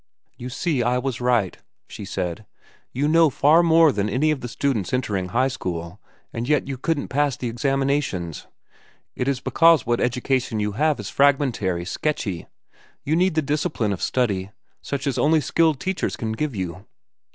"You see I was right," she said. "You know far more than any of the students entering high school, and yet you can't pass the examinations. It is because what education you have is fragmentary, sketchy. You need the discipline of study, such as only skilled teachers can give you.